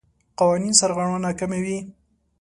قوانین سرغړونه کموي.